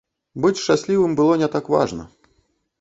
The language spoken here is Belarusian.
Быць шчаслівым было не так важна.